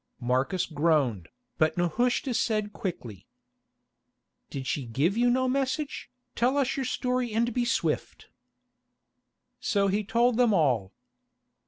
Marcus groaned, but Nehushta said quickly: "Did she give you no message? Tell us your story and be swift." So he told them all.